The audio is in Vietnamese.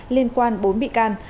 liên quan bốn bị can